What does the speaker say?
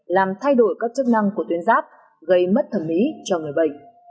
làm thay đổi các chức năng của tuyến giáp gây mất thẩm mỹ cho người bệnh